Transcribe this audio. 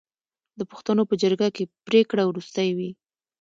د پښتنو په جرګه کې پریکړه وروستۍ وي.